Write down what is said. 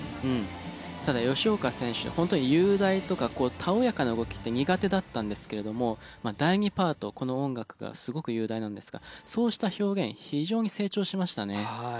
ただ吉岡選手は本当に雄大とかたおやかな動きって苦手だったんですけれども第２パートこの音楽がすごく雄大なんですがそうした表現非常に成長しましたね。